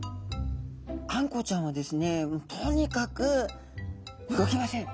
あんこうちゃんはですねとにかく動きません。